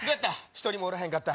１人もおらへんかった。